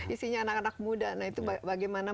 isinya anak anak muda nah itu bagaimana